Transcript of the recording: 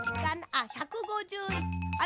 あっ１５１あら？